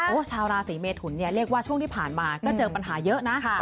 ชาวราศีเมทุนเนี่ยเรียกว่าช่วงที่ผ่านมาก็เจอปัญหาเยอะนะ